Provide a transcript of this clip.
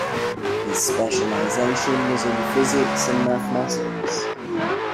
His specialization was in physics and mathematics.